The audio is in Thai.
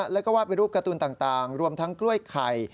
แล้วก็วาดไปรูปการ์ตูนต่างรวมทั้งกล้วยไข่